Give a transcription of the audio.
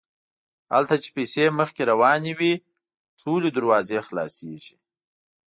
هلته چې پیسې مخکې روانې وي ټولې دروازې خلاصیږي.